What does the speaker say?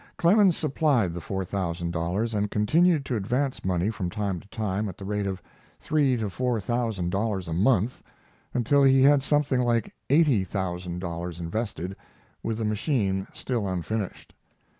Clemens supplied the four thousand dollars, and continued to advance money from time to time at the rate of three to four thousand dollars a month, until he had something like eighty thousand dollars invested, with the machine still unfinished.